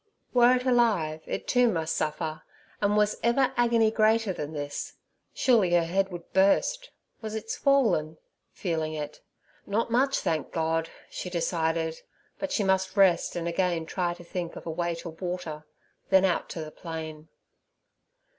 Were it alive, it too must suffer, and was ever agony greater than this? Surely her head would burst. Was it swollen?—feeling it. Not much, thank God! she decided, but she must rest and again try to think of a way to water—then out to the plain.